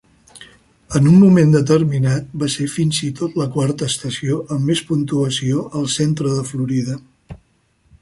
En un moment determinat, va ser fins i tot la quarta estació amb més puntuació al centre de Florida.